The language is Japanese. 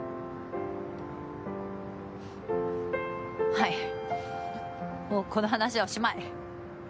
はい、もうこの話はおしまい。